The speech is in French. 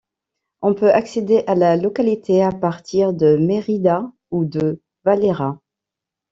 On peut accéder à la localité à partir de Mérida ou de Valera.